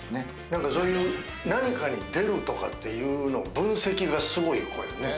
何かそういう何かに出るとかっていうの分析がすごいよこれね。